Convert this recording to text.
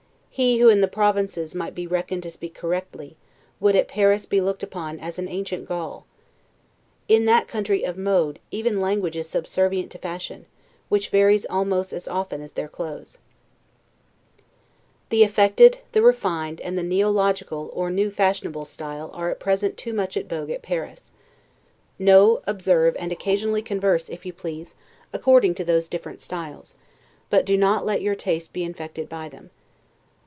He, who in the provinces might be reckoned to speak correctly, would at Paris be looked upon as an ancient Gaul. In that country of mode, even language is subservient to fashion, which varies almost as often as their clothes. The AFFECTED, the REFINED, the NEOLOGICAL, OR NEW FASHIONABLE STYLE are at present too much in vogue at Paris. Know, observe, and occasionally converse (if you please) according to those different styles; but do not let your taste be infected by them.